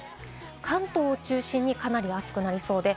関東を中心にかなり暑くなりそうです。